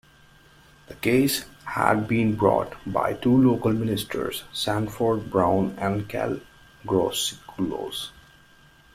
The case had been brought by two local ministers, Sanford Brown and Kel Groseclose.